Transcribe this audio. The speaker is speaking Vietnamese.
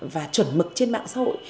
và chuẩn mực trên mạng xã hội